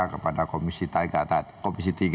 kepada komisi tiga